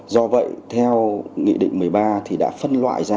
do vậy theo nghị định một mươi ba thì đã phân loại ra